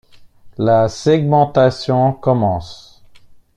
La segmentation commence.